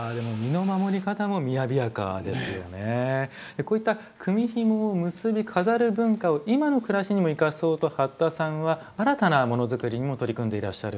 こういった組みひもを結び飾る文化を今の暮らしにも生かそうと八田さんは新たな物作りにも取り組んでいらっしゃるんです。